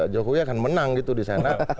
jokowi akan menang gitu di sana